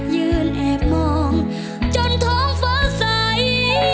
ยืนแอบมองจนท้องฟ้าใส